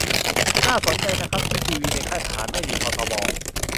น่าสนใจนะครับที่ทีวีในค่ายทหารไม่มีททบ